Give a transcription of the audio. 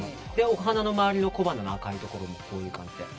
お鼻の周りの小鼻の赤いところもこういう感じで。